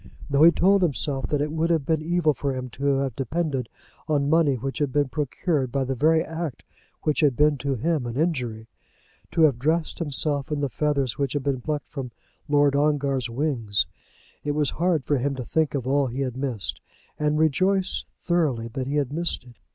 Though he told himself that it would have been evil for him to have depended on money which had been procured by the very act which had been to him an injury, to have dressed himself in the feathers which had been plucked from Lord Ongar's wings, it was hard for him to think of all that he had missed, and rejoice thoroughly that he had missed it.